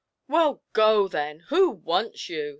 'Well, go then; who wants you?'